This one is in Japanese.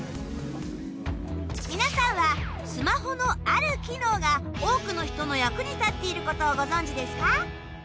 皆さんはスマホのある機能が多くの人の役に立っていることをご存じですか？